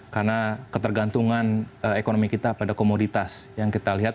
karena ketergantungan ekonomi kita pada komoditas yang kita lihat